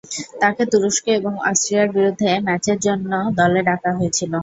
তাকে তুরস্ক এবং অস্ট্রিয়ার বিরুদ্ধে ম্যাচের জন্য দলে ডাকা হয়েছিল।